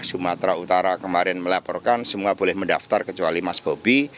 sumatera utara kemarin melaporkan semua boleh mendaftar kecuali mas bobi